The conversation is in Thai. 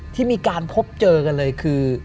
ที่มีการพบเจอกันเลยคือ